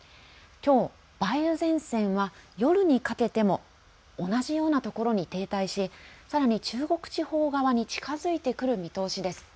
きょう梅雨前線は夜にかけても同じようなところに停滞しさらに中国地方側に近づいてくる見通しです。